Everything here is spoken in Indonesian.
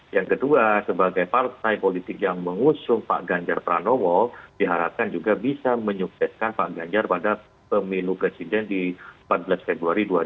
yang kedua sebagai partai politik yang mengusung pak ganjar pranowo diharapkan juga bisa menyukseskan pak ganjar pada pemilu presiden di empat belas februari dua ribu dua puluh